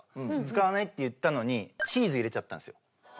使わないって言ったのにチーズ入れちゃったんですよ。